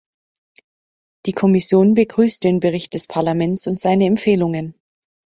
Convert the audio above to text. Die Kommission begrüßt den Bericht des Parlaments und seine Empfehlungen.